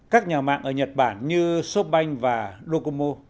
các nhà mạng ở nhật bản như shopbank và dokomo